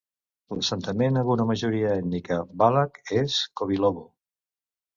L'assentament amb una majoria ètnica valac és Kovilovo.